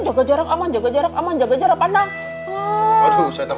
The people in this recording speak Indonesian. nanti masuk satu kaun mungkin sampai satu kecil